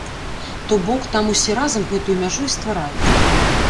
То бок, там усе разам гэтую мяжу і стваралі.